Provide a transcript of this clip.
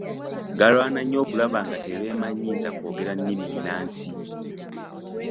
Galwana nnyo okulaba nga tebeemanyiiza kwogera nnimi nnansi.